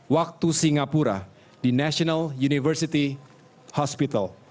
waktu singapura di national university hospital